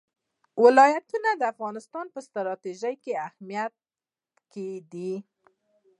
ولایتونه د افغانستان په ستراتیژیک اهمیت کې دي.